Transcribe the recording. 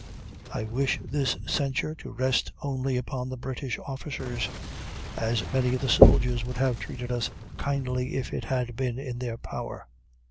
I wish this censure to rest only upon the British officers, as many of the soldiers would have treated us kindly if it had been in their power.